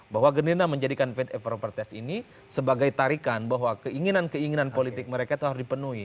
bahwa gerindra menjadikan fit and proper test ini sebagai tarikan bahwa keinginan keinginan politik mereka itu harus dipenuhi